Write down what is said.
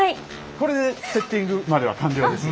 これでセッティングまでは完了です。